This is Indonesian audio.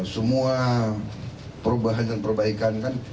semua perubahan dan perbaikan kan